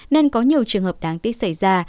nên có nhiều trường hợp đáng tiếc xảy ra